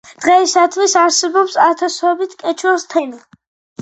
დღეისათვის არსებობს ათასობით კეჩუას თემი.